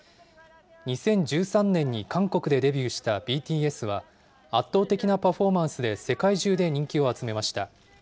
２０１３年に韓国でデビューしたＢＴＳは、圧倒的なパフォーマンスで世界中で人気を集めました。